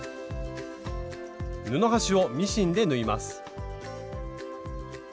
布端をミシンで縫います